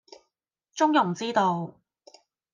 中庸之道